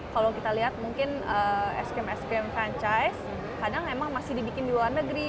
kalau kita lihat mungkin ice cream ice cream franchise kadang emang masih dibikin di luar negeri